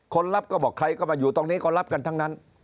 คนรับก็บอกใครก็มาอยู่ตรงนี้ก็รับกันทั้งนั้น